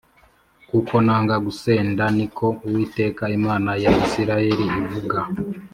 Kuko nanga gusenda ni ko Uwiteka Imana ya Isirayeli ivuga